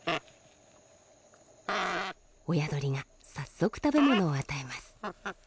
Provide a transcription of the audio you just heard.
親鳥が早速食べ物を与えます。